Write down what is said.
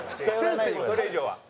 それ以上は。